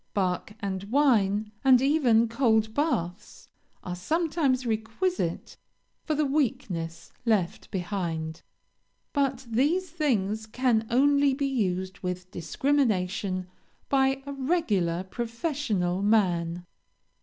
Bark and wine, and even cold baths are sometimes requisite for the weakness left behind. But these things can only be used with discrimination by a regular professional man.